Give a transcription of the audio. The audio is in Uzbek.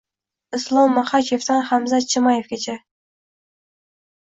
Islom Maxachevdan Hamzat Chimayevgacha